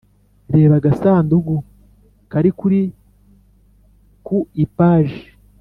(reba agasanduku kari ku ipaji)